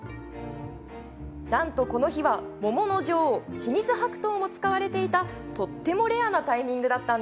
なんと、この日は桃の女王清水白桃も使われていたとってもレアなタイミングでした。